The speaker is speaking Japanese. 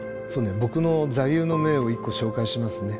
僕の座右の銘を１個紹介しますね。